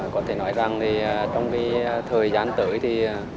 có thể nói rằng trong thời gian tới